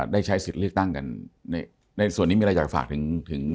ได้ใช้สิทธิ์เลือกตั้งกันในส่วนนี้มีอะไรอยากฝากถึง